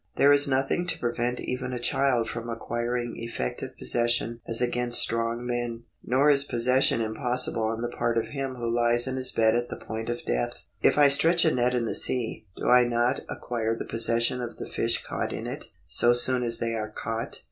There is nothing to prevent even a child from acquiring effective possession as against strong men, nor is possession impossible on the part of him who lies in his bed at the point of death. If I stretch a net in the sea, do I not acquire the possession of the fish caught in it, so soon as they are caught